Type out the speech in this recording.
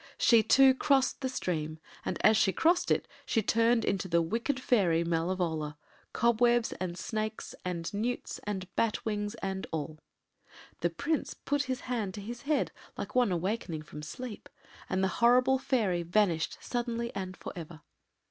She, too, crossed the stream, and as she crossed it she turned into the wicked fairy Malevola—cobwebs, and snakes, and newts, and bat’s wings, and all. The Prince put his hand to his head like one awakening from sleep, and the horrible fairy vanished suddenly and for ever.